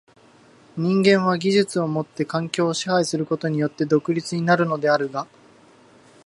人間は技術をもって環境を支配することによって独立になるのであるが、